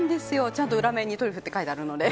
ちゃんと裏面にトリュフって書いてあるので。